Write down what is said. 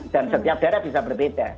setiap daerah bisa berbeda